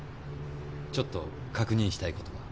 ちょっと確認したいことが。